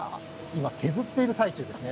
今削っている最中ですね。